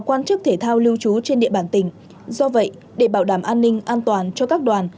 quan chức thể thao lưu trú trên địa bàn tỉnh do vậy để bảo đảm an ninh an toàn cho các đoàn